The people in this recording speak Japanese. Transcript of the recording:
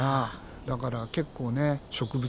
だから結構ね植物